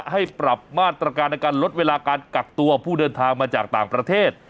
ให้ปรับมาตรการในการลดเวลาการกักตัวผู้เดินทางมาจากต่างประเทศ